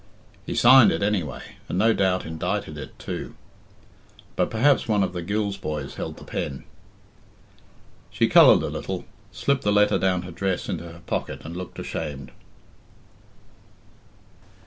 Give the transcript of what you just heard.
"He signed it, anyway, and no doubt indited it too; but perhaps one of the Gills boys held the pen." She coloured a little, slipped the letter down her dress into her pocket, and looked ashamed.